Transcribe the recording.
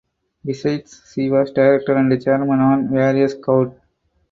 Besides she was Director and Chairman on various Govt.